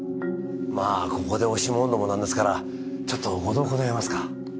まあここで押し問答もなんですからちょっとご同行願えますか？